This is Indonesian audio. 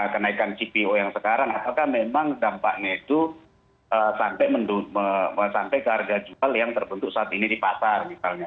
kenaikan cpo yang sekarang apakah memang dampaknya itu sampai ke harga jual yang terbentuk saat ini di pasar misalnya